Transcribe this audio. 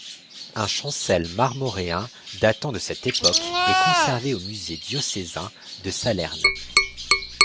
Un chancel marmoréen, datant de cette époque, est conservé au Musée diocésain de Salerne.